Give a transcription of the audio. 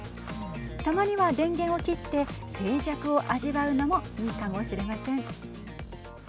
たまには電源を切って静寂を味わうのもいいかもしれません。